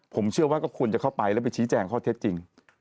ผมเชื่อว่าก็ควรจะเข้าไปแล้วไปชี้แจงข้อเท็จจริง